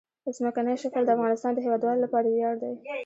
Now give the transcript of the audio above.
ځمکنی شکل د افغانستان د هیوادوالو لپاره ویاړ دی.